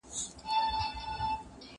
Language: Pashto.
هغه څوک چي کتابونه ليکي پوهه زياتوي!.